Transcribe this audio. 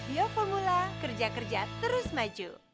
yo formula kerja kerja terus maju